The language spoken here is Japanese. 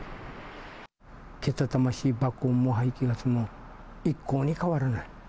けたたましい爆音も排気ガスも、一向に変わらない。